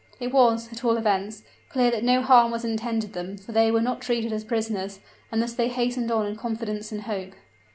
It was, at all events, clear that no harm was intended them, for they were not treated as prisoners, and thus they hastened on in confidence and hope.